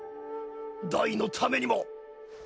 ダイのためにも。